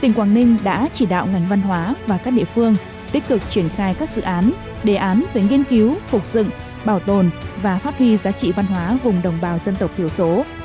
tỉnh quảng ninh đã chỉ đạo ngành văn hóa và các địa phương tích cực triển khai các dự án đề án về nghiên cứu phục dựng bảo tồn và phát huy giá trị văn hóa vùng đồng bào dân tộc thiểu số